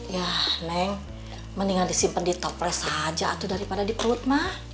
yah neng mendingan disimpan di toples aja tuh daripada di perut mah